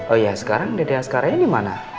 oh iya sekarang dede askaranya dimana